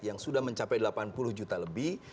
yang sudah mencapai delapan puluh juta lebih